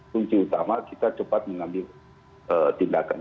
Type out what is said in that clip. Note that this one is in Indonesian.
kunci utama kita cepat mengambil tindakan